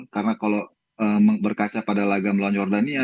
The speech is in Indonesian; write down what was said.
karena kalau berkaca pada laga melawan jordania